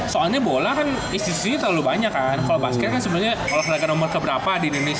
soalnya bola kan institusinya terlalu banyak kan kalau basket kan sebenarnya olahraga nomor keberapa di indonesia